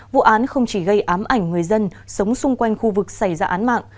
vụ án không chỉ gây ám ảnh người dân sống xung quanh khu vực xảy ra án mạng